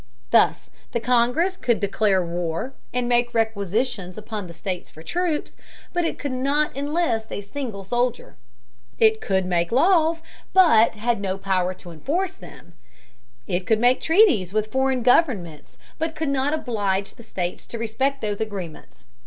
Thus the Congress could declare war, and make requisitions upon the states for troops, but it could not enlist a single soldier. It could make laws, but had no power to enforce them. It could make treaties with foreign governments, but could not oblige the states to respect those agreements.